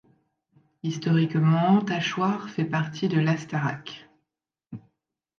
Historiquement, Tachoires fait partie de l'Astarac.